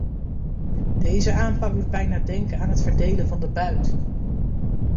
Deze aanpak doet bijna denken aan het verdelen van de buit.